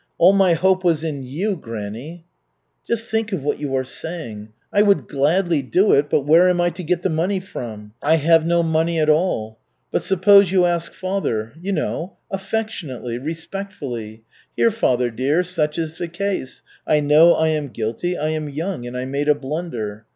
All my hope was in you, granny." "Just think of what you are saying. I would gladly do it, but where am I to get the money from? I have no money at all. But suppose you ask father, you know, affectionately, respectfully. 'Here, father dear, such is the case. I know I am guilty, I am young and I made a blunder.'